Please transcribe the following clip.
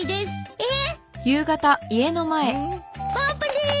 えっ！？